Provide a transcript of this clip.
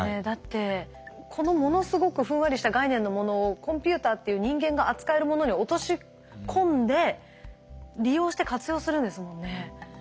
だってこのものすごくふんわりした概念のものをコンピューターっていう人間が扱えるものに落とし込んで利用して活用するんですもんね。